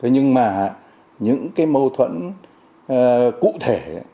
nhưng mà những mâu thuẫn cụ thể